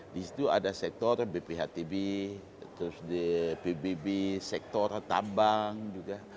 disitu ada sektor bphtb terus di pbb sektor tambang juga